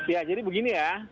ya jadi begini ya